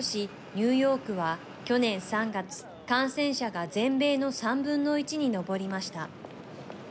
ニューヨークは去年３月、感染者が全米の３分の１にのぼりました。